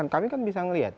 kami kan bisa melihat